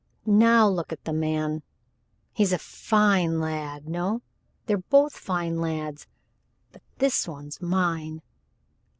Now look at the man! He's a fine lad, no? They're both fine lads but this one's mine.